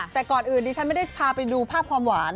แต่ก่อนอื่นดิฉันไม่ได้พาไปดูภาพความหวาน